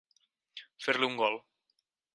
Fer-li un gol.